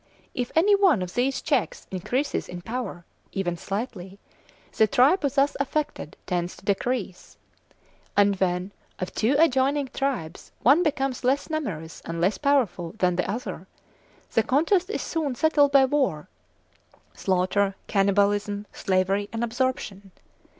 If any one of these checks increases in power, even slightly, the tribe thus affected tends to decrease; and when of two adjoining tribes one becomes less numerous and less powerful than the other, the contest is soon settled by war, slaughter, cannibalism, slavery, and absorption.